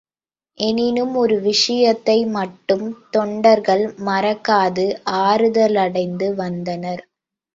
எனினும் ஒரு விஷயத்தை மட்டும் தொண்டர்கள் மறக்காது ஆறுதலடைந்து வந்தனர்.